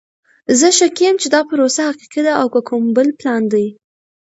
زه شکي یم چې دا پروسه حقیقی ده او که کوم بل پلان ده!